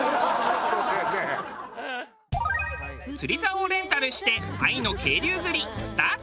釣りざおをレンタルして愛の渓流釣りスタート。